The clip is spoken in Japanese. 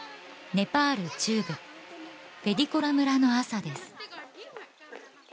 ネパール中部フェディコラ村の朝です